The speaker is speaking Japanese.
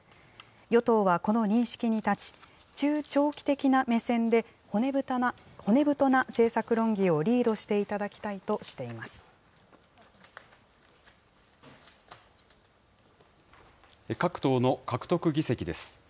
与党はこの認識に立ち、中長期的な目線で骨太な政策論議をリードしていただきたいとして各党の獲得議席です。